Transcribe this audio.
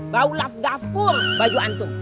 bau lafgafur baju antum